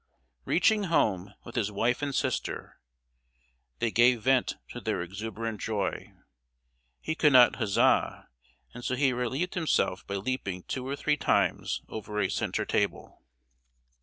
Reaching home, with his wife and sister, they gave vent to their exuberant joy. He could not huzza, and so he relieved himself by leaping two or three times over a center table!